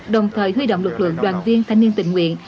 đồng thời huy động lực lượng đoàn viên thanh niên tình nguyện